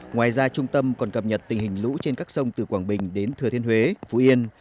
ngoài ra trung tâm còn cập nhật tình hình lũ trên các sông từ quảng bình đến thừa thiên huế phú yên